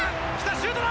シュートだ！